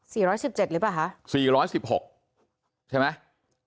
ร้อยสิบเจ็ดหรือเปล่าคะสี่ร้อยสิบหกใช่ไหม